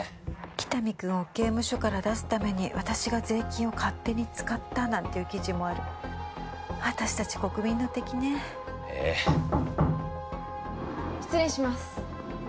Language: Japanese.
喜多見君を刑務所から出すために私が税金を勝手に使ったなんていう記事もある私達国民の敵ねええ失礼します